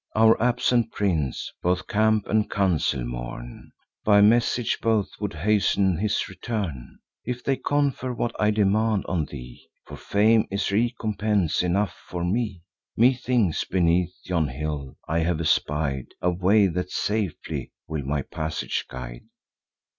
Our absent prince both camp and council mourn; By message both would hasten his return: If they confer what I demand on thee, (For fame is recompense enough for me,) Methinks, beneath yon hill, I have espied A way that safely will my passage guide."